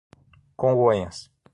Congonhas